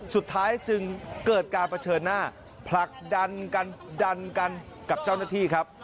สุดท้ายจึงเกิดการเผชิญหน้าผลักดันกันดันกันกับเจ้าหน้าที่ครับ